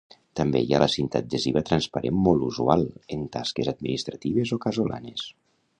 També hi ha la cinta adhesiva transparent molt usual en tasques administratives o casolanes.